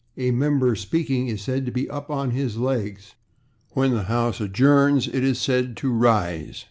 A member speaking is said to be /up/ or /on his legs/. When the house adjourns it is said to /rise